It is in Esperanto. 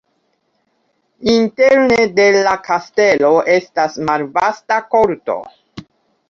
Interne de la kastelo estas malvasta korto.